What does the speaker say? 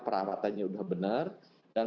perawatannya sudah benar dan